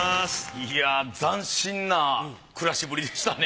いやぁ斬新な暮らしぶりでしたね。